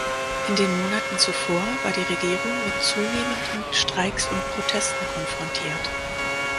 In den Monaten zuvor war die Regierung mit zunehmenden Streiks und Protesten konfrontiert.